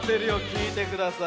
きいてください。